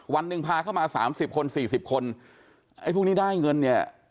วันหนึ่งพาเข้ามาสามสิบคนสี่สิบคนไอ้พวกนี้ได้เงินเนี่ย